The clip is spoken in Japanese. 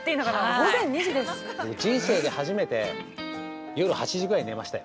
◆僕、人生で初めて夜８時くらいに寝ましたよ。